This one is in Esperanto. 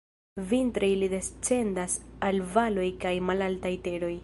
Vintre ili descendas al valoj kaj malaltaj teroj.